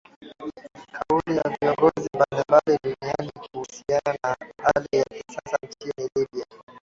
kauli za viongozi mbalimbali duniani kuhusiana na hali ya kisiasa nchini libya